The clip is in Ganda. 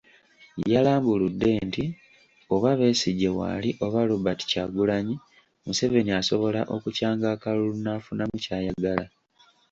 Yalambuludde nti oba Besigye waali oba Robert Kyagulanyi, Museveni asobola okukyanga akalulu n'afunamu kyayagala.